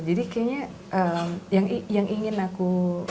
kayaknya yang ingin aku